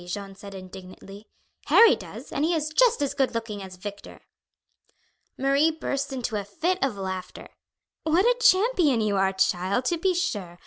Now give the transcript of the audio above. Jeanne said indignantly. "Harry does, and he is just as good looking as Victor." Marie burst into a fit of laughter. "What a champion you are, child, to be sure!